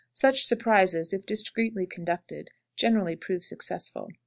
Such surprises, if discreetly conducted; generally prove successful.